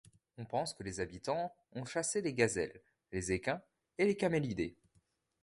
On pense que les habitants ont chassé les gazelles, les équins et les camélidés.